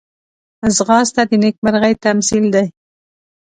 ځغاسته د نېکمرغۍ تمثیل دی